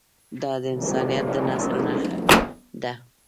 دا د انسانیت د تسلسل نښه ده.